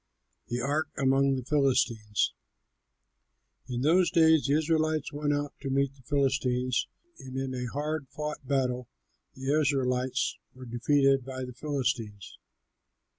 THE ARK AMONG THE PHILISTINES In those days the Israelites went out to meet the Philistines, and in a hard fought battle the Israelites were defeated by the Philistines.